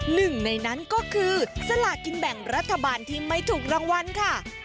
หนึ่งในนั้นก็คือสลากินแบ่งรัฐบาลที่ไม่ถูกรางวัลค่ะ